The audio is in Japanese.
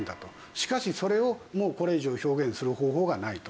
しかしそれをもうこれ以上表現する方法がないと。